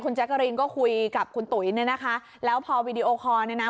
คุณแจ๊กกะรินก็คุยกับคุณตุ๋ยแล้วพอวิดีโอคอนนะครับ